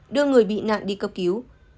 đưa người bị nạn đi cấp cứu